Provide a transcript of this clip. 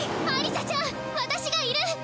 アリサちゃん私がいる！